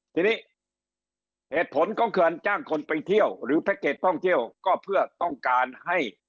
ทีนี้เหตุผลของการจ้างคนไปเที่ยวหรือแพ็กเกจท่องเที่ยวก็เพื่อต้องการให้